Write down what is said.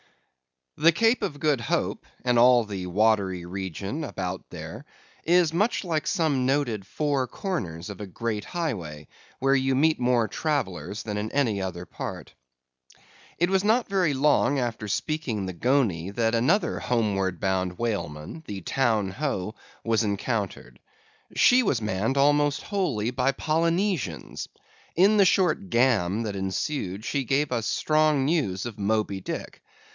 _) The Cape of Good Hope, and all the watery region round about there, is much like some noted four corners of a great highway, where you meet more travellers than in any other part. It was not very long after speaking the Goney that another homeward bound whaleman, the Town Ho,* was encountered. She was manned almost wholly by Polynesians. In the short gam that ensued she gave us strong news of Moby Dick.